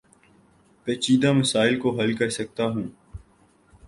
پیچیدہ مسائل کو حل کر سکتا ہوں